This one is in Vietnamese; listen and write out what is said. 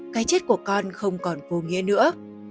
cái chết của con không còn vô nghĩa nữa